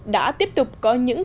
đã tiếp tục có những